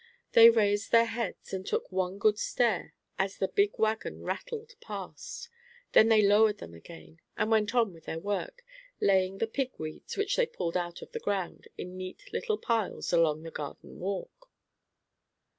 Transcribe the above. They raised their heads and took one good stare as the big wagon rattled past, then they lowered them again, and went on with their work, laying the pig weeds, which they pulled out of the ground, in neat little piles along the garden walk.